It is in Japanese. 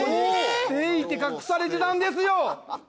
ステイって隠されてたんですよ。